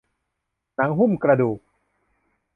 หนังหุ้มกระดูก